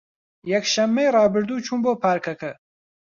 یەکشەممەی ڕابردوو چووم بۆ پارکەکە.